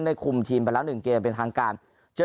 ได้คุมทีมเป็นละหนึ่งเกมเป็นทางการเจอ